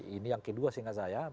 ini yang kedua seingat saya